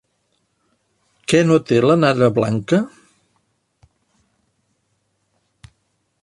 Què no té la nana blanca?